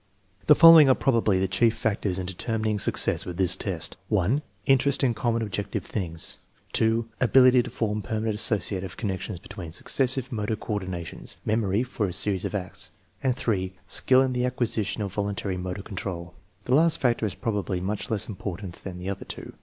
The following are probably the chief factors determining success with this test: (1) Interest in common objective things; () ability to form permanent associative connec tions between successive motor coordinations (memory for a series of acts); and (3) skill in the acquisition of voluntary motor control. The last factor is probably much less important than the other two.